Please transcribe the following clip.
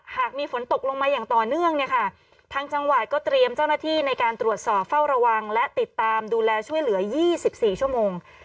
หากมีฝนตกลงมาอย่างต่อเนื่องเนี่ยค่ะทางจังหวัดก็เตรียมเจ้าหน้าที่ในการตรวจสอบเฝ้าระวังและติดตามดูแลช่วยเหลือ๒๔ชั่วโมง